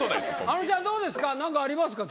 あのちゃんどうですか？